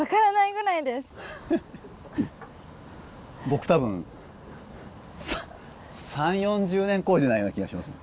僕多分３０４０年こいでないような気がします。